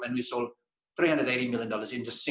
dan kami jual tiga ratus delapan puluh juta dolar dalam lima jam